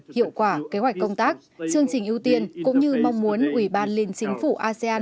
hiệu quả kế hoạch công tác chương trình ưu tiên cũng như mong muốn ủy ban liên chính phủ asean